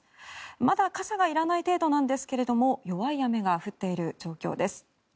まだ傘はいらない程度なんですが弱い雨が降っている状況です。